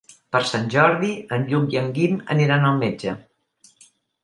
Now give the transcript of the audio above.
Per Sant Jordi en Lluc i en Guim aniran al metge.